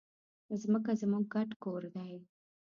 ځمکه زموږ ګډ کور دی.